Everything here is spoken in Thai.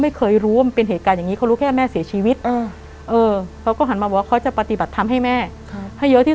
ไม่เคยรู้ว่ามันมีเหตุการณ์อย่างนี้